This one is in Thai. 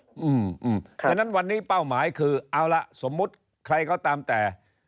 เพราะฉะนั้นวันนี้เป้าหมายคือเอาละสมมุติใครก็ตามแต่